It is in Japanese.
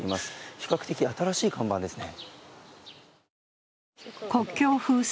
比較的新しい看板ですね。